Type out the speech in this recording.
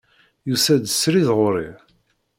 Yusa-d srid ɣer-i.